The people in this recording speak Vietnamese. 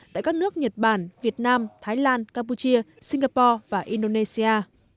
đoàn đại biểu thanh niên việt nam hôm hai mươi chín thành viên tham dự chương trình tàu thanh niên đông nam singapore và indonesia